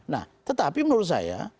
nah tetapi menurut saya